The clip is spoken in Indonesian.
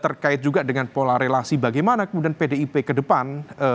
terkait juga dengan pola relasi bagaimana kemudian pdip ke depan